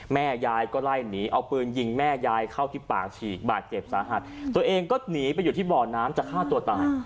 แม่ยายก็ไล่หนีเอาปืนยิงแม่ยายเข้าที่ปากฉีกบาดเจ็บสาหัสตัวเองก็หนีไปอยู่ที่บ่อน้ำจะฆ่าตัวตาย